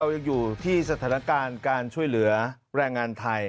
ยังอยู่ที่สถานการณ์การช่วยเหลือแรงงานไทย